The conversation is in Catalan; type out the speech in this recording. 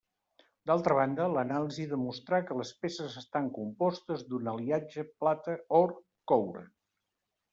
D'altra banda, l'anàlisi demostrà que les peces estan compostes d'un aliatge plata-or-coure.